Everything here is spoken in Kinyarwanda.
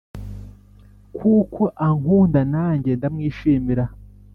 kuko ankunda nanjye ndamwishimira